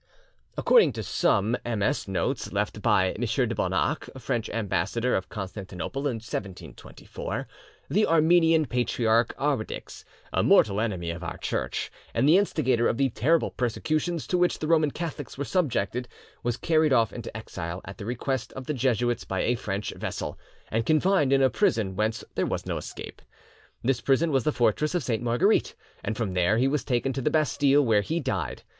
According to some MS. notes left by M. de Bonac, French ambassador at Constantinople in 1724, the Armenian Patriarch Arwedicks, a mortal enemy of our Church and the instigator of the terrible persecutions to which the Roman Catholics were subjected, was carried off into exile at the request of the Jesuits by a French vessel, and confined in a prison whence there was no escape. This prison was the fortress of Sainte Marguerite, and from there he was taken to the Bastille, where he died.